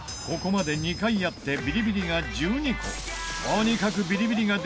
ここまで２回やってビリビリが１２個。